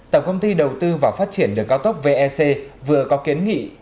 tổng công ty đầu tư và phát triển đường cao tốc vec vừa có kiến nghị